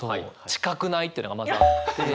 近くない？っていうのがまずあって。